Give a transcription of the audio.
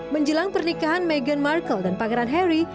menjelang pernikahan meghan markle dan pangeran harry